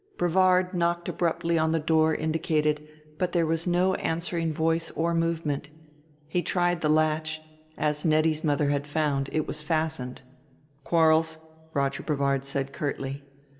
Brevard knocked abruptly on the door indicated but there was no answering voice or movement. He tried the latch: as Nettie's mother had found, it was fastened. "Quarles," Roger Brevard said curtly.